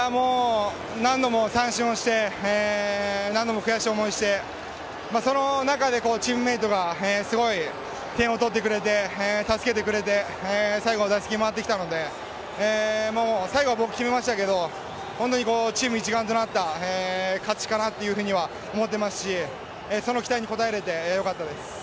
何度も三振をして、何度も悔しい思いをしてその中でチームメートがすごい点を取ってくれて助けてくれて最後打席が回ってきたので最後は僕、決めましたけどチーム一丸となった勝ちかなというふうには思っていますしその期待に応えられてよかったです。